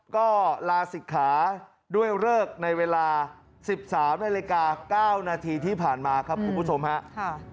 ก็ลาศิกขาด้วยเลิกในเวลา๑๓นาฬิกา๙นาทีที่ผ่านมาครับคุณผู้ชมครับ